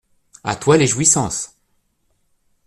A toi les jouissances !